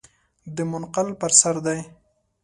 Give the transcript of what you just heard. د منقل پر سر دی .